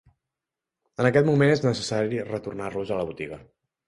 En aquest moment és necessari retornar-los a la botiga.